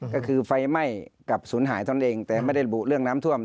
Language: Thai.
ก็คือไฟไหม้กับศูนย์หายเท่านั้นเองแต่ไม่ได้ระบุเรื่องน้ำท่วม